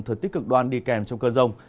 thời tiết cực đoan đi kèm trong cơn rông